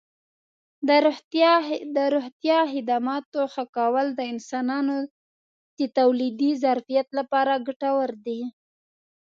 د روغتیا خدماتو ښه کول د انسانانو د تولیدي ظرفیت لپاره ګټور دي.